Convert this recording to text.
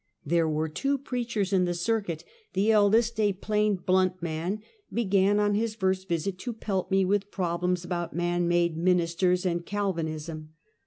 There were two preachers in the circuit. The eldest, a plain, blunt man, began on his first visit to pelt me with problems about " man made ministers " and Calvinism.